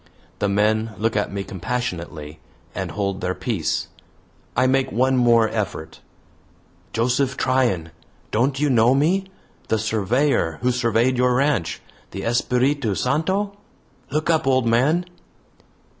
The men look at me compassionately, and hold their peace. I make one more effort: "Joseph Tryan, don't you know me? the surveyor who surveyed your ranch the Espiritu Santo? Look up, old man!"